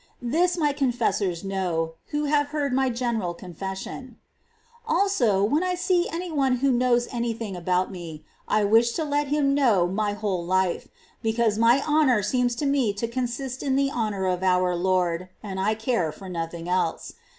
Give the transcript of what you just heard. This my confessors know, who have heard my general confession. 28. Also, when I see any one who knows any Her sincer thing about mc, I wish to let him know my whole life,^ because my honour seems to me to consist in the honour of our Lord, and I care for nothing else.